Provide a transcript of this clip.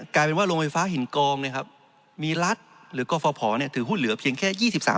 กลายเป็นว่าโรงไฟฟ้าหินกองมีรัฐหรือกฟภถือหุ้นเหลือเพียงแค่๒๓